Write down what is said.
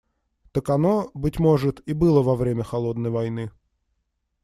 Так оно, быть может, и было во время "холодной войны".